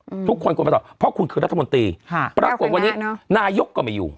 อืมทุกคนควรมาตอบเพราะคุณคือรัฐมนตรีค่ะปรากฏวันนี้เนอะนายกก็ไม่อยู่